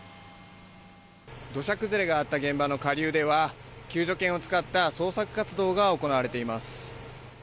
土砂崩れがあった現場の下流では、救助犬を使った捜索活動が行われています。